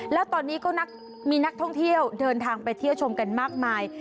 แล้วตอนนี้ก็มีนักท่องเที่ยวเดินทางไปเที่ยวชมกันมากมาย